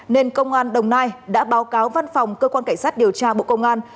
nên công an đồng nai đã báo cáo văn phòng cơ quan cảnh sát điều tra bộ công an